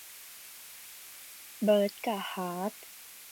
เบิร์ดกะฮาร์ท